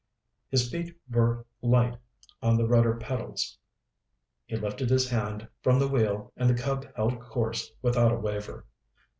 His feet were light on the rudder pedals. He lifted his hand from the wheel and the Cub held course without a waver.